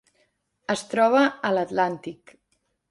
Es troba a l'Atlàntic.